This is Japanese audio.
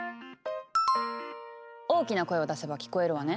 大きな声を出せば聞こえるわね。